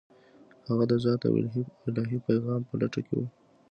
هغه د ذات او الهي پیغام په لټه کې و.